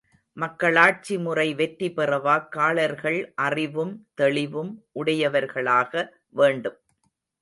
மக்களாட்சி முறை வெற்றி பெற வாக்காளர்கள் அறிவும் தெளிவும் உடையவர்களாக வேண்டும்.